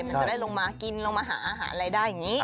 มันจะได้ลงมากินลงมาหาอาหารอะไรได้อย่างนี้